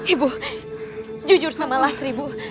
ibu jujur sama lasri ibu